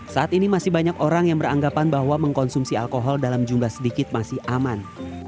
saat ini masih banyak orang yang beranggapan bahwa mengkonsumsi alkohol dalam jumlah sedikit masih aman